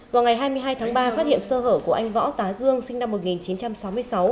vào ngày hai mươi hai tháng ba phát hiện sơ hở của anh võ tá dương sinh năm một nghìn chín trăm sáu mươi sáu